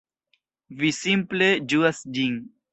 Vi simple ĝuas ĝin.